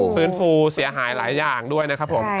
ฟื้นฟูเสียหายหลายอย่างด้วยนะครับผม